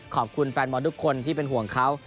ขอบคุณแฟนบอลทุกคนที่เป็นห่วงเขา